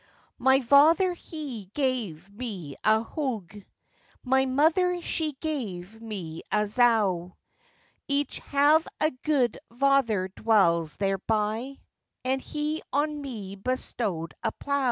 My vather he gave me a hogge, My mouther she gave me a zow; Ich have a god vather dwells there by, And he on me bestowed a plow.